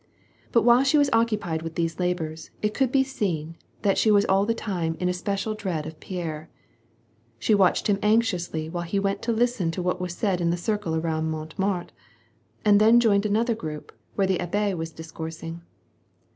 But while she was occupied with these labors, it could be seen that she was all the time in especial dread of Pierre. She watched him anxiously while he went to listen to what was said in the circle around Mohtemart, and then joined another group, where the abbe was discoursing.